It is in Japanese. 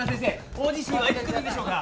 大地震はいつ来るんでしょうか？